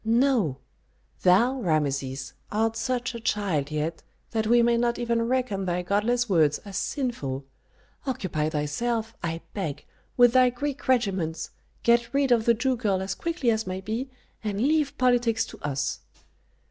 "No. Thou, Rameses, art such a child yet that we may not even reckon thy godless words as sinful. Occupy thyself, I beg, with thy Greek regiments, get rid of the Jew girl as quickly as may be, and leave politics to us."